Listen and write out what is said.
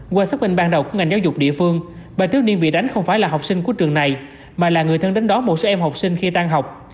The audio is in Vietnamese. qua xác minh ban đầu của ngành giáo dục địa phương bà tứ niên bị đánh không phải là học sinh của trường này mà là người thân đến đó một số em học sinh khi tan học